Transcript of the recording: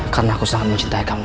karena aku sangat mencintai kamu